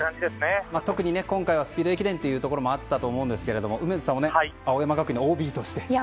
特に今回はスピード駅伝というところもあったと思うんですが梅津さんも青山学院のＯＧとして。